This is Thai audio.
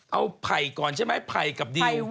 เอาภัยก่อนใช่ไหมเภยกับดิว